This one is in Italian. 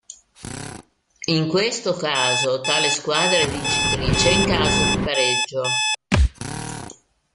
In questo caso tale squadra è vincitrice in caso di pareggio.